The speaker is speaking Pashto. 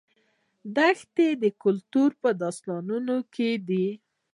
دښتې د کلتور په داستانونو کې دي.